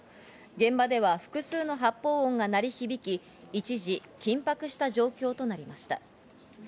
現場では複数の発砲音が鳴り響き、一時緊迫した状況となりました。